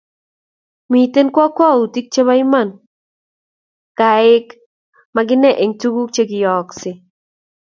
Miten kwongutik chebo Iman gaek maginae eng tuguk cheyeyoske